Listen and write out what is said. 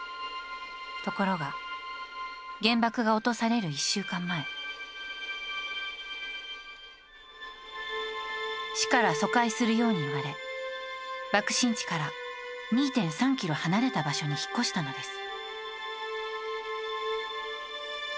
ところが、原爆が落とされる１週間前市から疎開するようにいわれ爆心地から２．３ｋｍ離れた場所に引っ越したのです。